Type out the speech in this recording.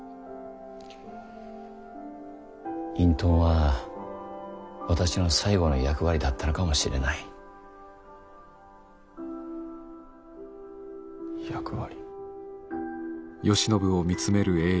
隠遁は私の最後の役割だったのかもしれない。役割。